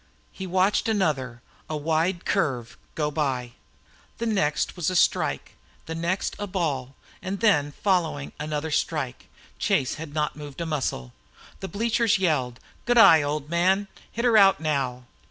He watched another, a wide curve, go by. The next was a strike, the next a ball, and then following, another strike. Chase had not moved a muscle. The bleachers yelled: "Good eye, old man! hit her out now!"